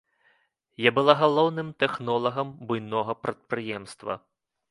Я была галоўным тэхнолагам буйнога прадпрыемства.